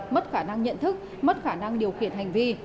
mất khả năng nhận thức mất khả năng điều khiển hành vi